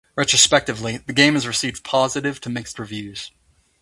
Retrospectively, the game has received positive to mixed reviews.